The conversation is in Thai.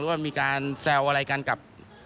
ว่ามีการแซวอะไรกันกับ